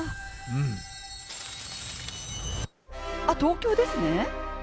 あっ、東京ですね。